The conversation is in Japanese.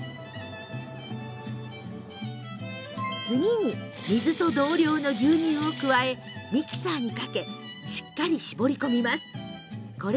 次に水と同量の牛乳を加えミキサーにかけしっかり搾ります。